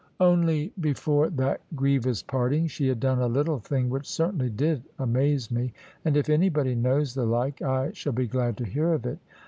Only before that grievous parting, she had done a little thing which certainly did amaze me. And if anybody knows the like, I shall be glad to hear of it.